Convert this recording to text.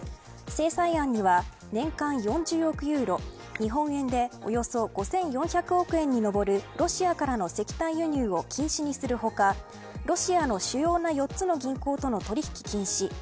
制裁案には、年間４０億ユーロ日本円でおよそ５４００億円に上るロシアからの石炭輸入を禁止にする他ロシアの主要な４つの銀行との取引禁止